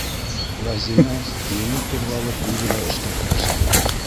- Ғәзимә, еңел ҡуҙғалып, үҙе лә эшкә кереште.